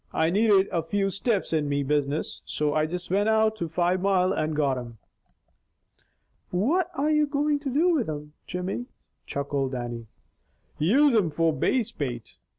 "I needed a few stiffs in me business so I just went out to Five Mile and got them." "What are ye going to do with them, Jimmy?" chuckled Dannie. "Use thim for Bass bait!